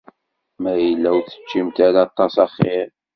Ma yella ur teččimt ara aṭas axiṛ.